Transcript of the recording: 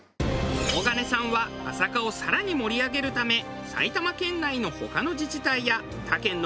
大金さんは朝霞を更に盛り上げるため埼玉県内の他の自治体や他県の町おこしも視察。